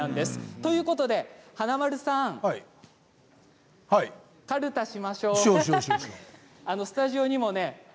ということで華丸さんかるたをしましょう。